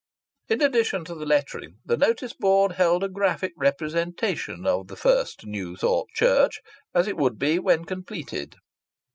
In addition to the lettering the notice board held a graphic representation of the First New Thought Church as it would be when completed.